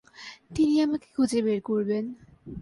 তিনি আমাকে খুঁজে বের করবেন।